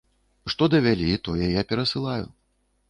Што давялі, тое я перасылаю.